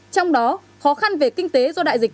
trong đó khó khăn về kinh tế do đại dịch